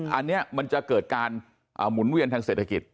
อันนี้มันจะเกิดการหมุนเวียนทางเศรษฐกิจ